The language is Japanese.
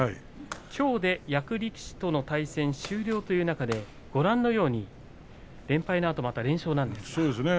きょうで役力士との対戦終了という中でご覧のように連敗のあと連勝です。